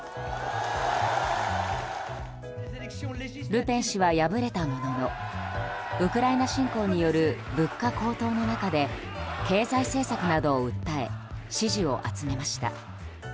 ルペン氏は敗れたもののウクライナ侵攻による物価高騰の中で経済政策などを訴え支持を集めました。